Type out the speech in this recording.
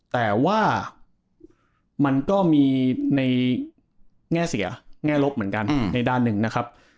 แต่ว่ามันก็มีในแง่เสียแง่ลบเหมือนกันในด้านหนึ่งนะครับ